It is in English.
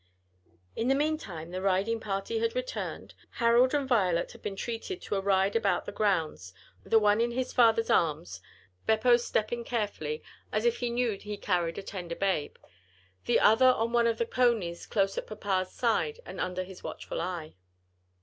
In the meantime the riding party had returned, Harold and Violet had been treated to a ride about the grounds, the one in his father's arms, Beppo stepping carefully as if he knew he carried a tender babe, the other on one of the ponies close at papa's side and under his watchful eye.